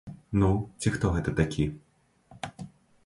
Ну, ці хто гэта такі.